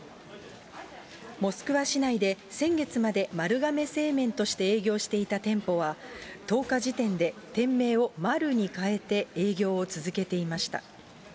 モスクワ市内で先月まで丸亀製麺として営業していた店舗は、１０日時点で、店名をマルに変えて営業を続けていました。